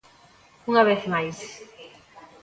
Unha vez máis.